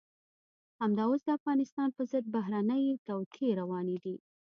همدا اوس د افغانستان په ضد بهرنۍ توطئې روانې دي.